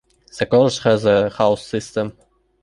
The College has a house system.